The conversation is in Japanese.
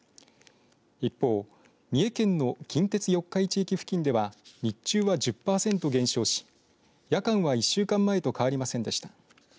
一方、三重県の近鉄四日市駅付近では日中は１０パーセント減少し夜間は１週間前と変わりませんでした。